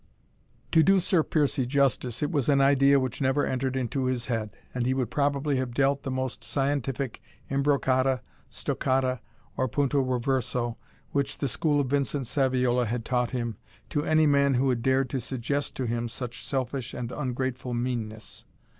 To do Sir Piercie justice, it was an idea which never entered into his head; and he would probably have dealt the most scientific imbroccata, stoccata, or punto reverso, which the school of Vincent Saviola had taught him, to any man who had dared to suggest to him such selfish and ungrateful meanness.